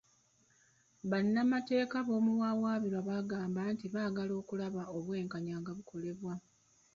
Bannamateeka b'omuwawaabirwa baagamba nti baagala okulaba obwenkanya nga bukolebwa.